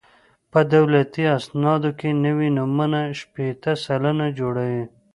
په دولتي اسنادو کې نوي نومونه شپېته سلنه جوړوي